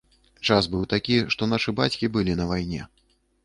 Час быў такі, што нашы бацькі былі на вайне.